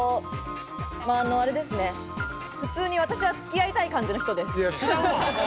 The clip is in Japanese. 普通に私は付き合いたい感じの人です。